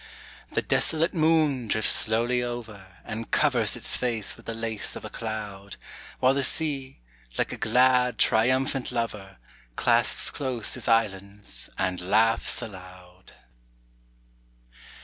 The desolate moon drifts slowly over, And covers its face with the lace of a cloud, While the sea, like a glad triumphant lover, Clasps close his islands and laughs aloud.